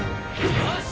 よし！